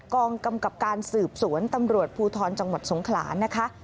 กองกำกับการสืบสวนตำรวจภูทรจังหวัดสงขลานะคะ